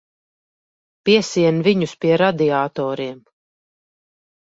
Piesien viņus pie radiatoriem.